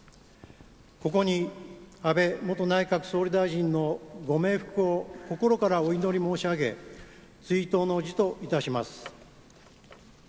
ここに安倍元総理大臣のご冥福を心からお祈り申し上げ追悼の辞と致します。